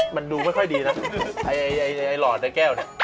มันดูไม่ค่อยดีนะไอ้หลอดไอ้แก้วเนี่ย